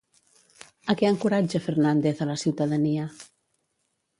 A què encoratja Fernàndez a la ciutadania?